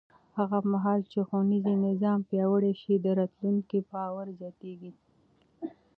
هغه مهال چې ښوونیز نظام پیاوړی شي، د راتلونکي باور زیاتېږي.